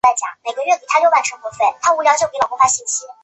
元世祖初年置。